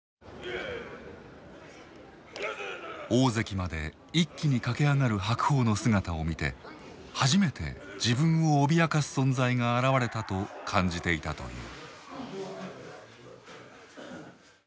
大関まで一気に駆け上がる白鵬の姿を見て初めて自分を脅かす存在が現れたと感じていたという。